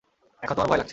এখন তোমার ভয় লাগছে।